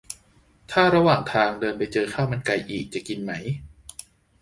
ถ้าระหว่างทาง เดินไปเจอข้าวมันไก่อีก จะกินไหม ?